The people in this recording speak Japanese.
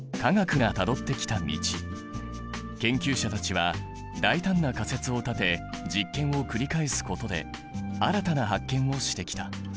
研究者たちは大胆な仮説を立て実験を繰り返すことで新たな発見をしてきた。